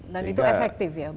dan itu efektif ya